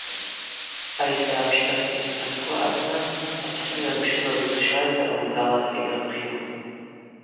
Айсра амщтахьгьи Москва апны Апсны йырпщылаз уыс щарда ауи далата йдырхъйун.